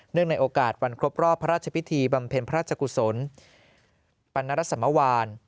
ในโอกาสวันครบรอบพระราชพิธีบำเพ็ญพระราชกุศลปรณรสมวาน